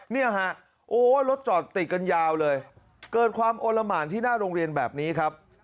เนี่ยฮะโอ้รถจอดติดกันยาวเลยเกิดความโอละหมานที่หน้าโรงเรียนแบบนี้ครับ